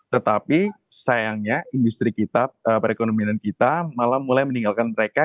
tetapi sayangnya industri kita perekonomian kita malah mulai meninggalkan mereka